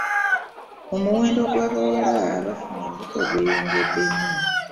Omuwendo gw'abawala abafuna embuto gweyongedde nnyo.